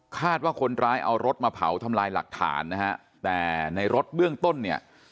คาดว่าคนร้ายเอารถมาเผาทำลายหลักฐานนะฮะแต่ในรถเบื้องต้นเนี่ย